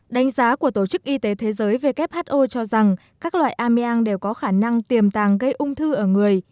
đánh giá của tổ chức y tế thế giới who cho rằng các loại ameang đều có khả năng tiềm tàng gây ung thư ở người